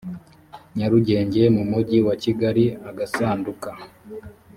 nyarugenge mu mujyi wa kigali agasanduka